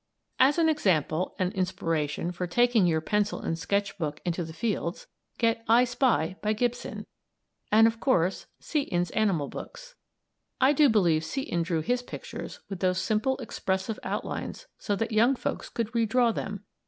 As an example and inspiration for taking your pencil and sketch book into the fields, get "Eye Spy," by Gibson, and, of course, Seton's animal books. I do believe Seton drew his pictures with those simple, expressive outlines so that young folks could redraw them.